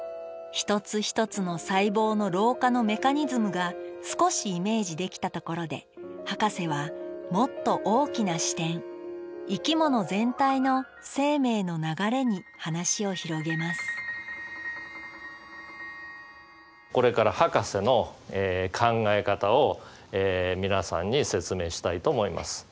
一つ一つの細胞の老化のメカニズムが少しイメージできたところでハカセはもっと大きな視点生き物全体の生命の流れに話を広げますこれからハカセの考え方を皆さんに説明したいと思います。